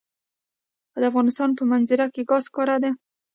د افغانستان په منظره کې ګاز ښکاره ده.